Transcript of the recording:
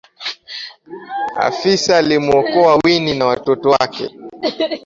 afisa alimwokoa winnie na watoto wake